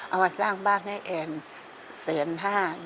เอามาสร้างบ้านให้แอนแสนห้า